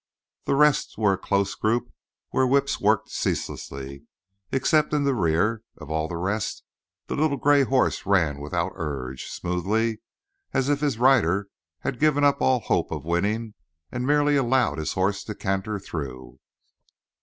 The rest were a close group where whips worked ceaselessly, except that in the rear of all the rest the little gray horse ran without urge, smoothly, as if his rider had given up all hope of winning and merely allowed his horse to canter through.